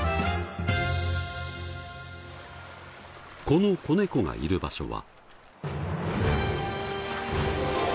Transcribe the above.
この子猫がいる場所は。